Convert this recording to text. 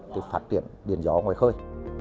thì phát triển điện gió ngoài khơi